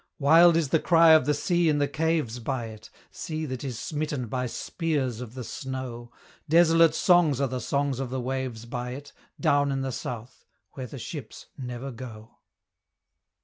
Wild is the cry of the sea in the caves by it Sea that is smitten by spears of the snow; Desolate songs are the songs of the waves by it Down in the south, where the ships never go.